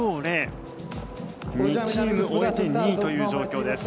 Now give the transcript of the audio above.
２チーム終えて２位という状況です。